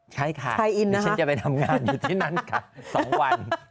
ใช่ค่ะดิฉันจะไปทำงานอยู่ที่นั่นค่ะ๒วัน